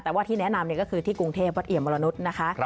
แต่ว่าที่แนะนำก็คือที่กรุงเทพวัดเอี่ยมมรนุษย์นะคะ